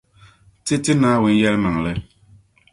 Ti ti Naawuni yεlimaŋli.